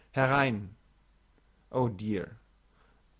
Herein! Oh, dear!